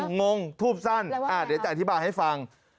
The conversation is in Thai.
งงทูบสั้นเดี๋ยวจะอธิบายให้ฟัง